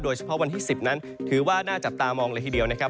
โดยเฉพาะวันที่๑๐นั้นถือว่าหน้าจับตามองละทีเดียวนะครับ